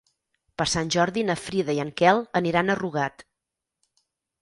Per Sant Jordi na Frida i en Quel aniran a Rugat.